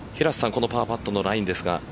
このパーパットのラインですが。